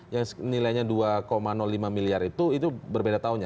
yang nilainya dua lima miliar itu itu berbeda tahunnya